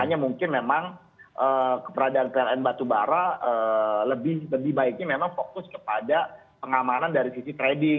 hanya mungkin memang keberadaan pln batubara lebih baiknya memang fokus kepada pengamanan dari sisi trading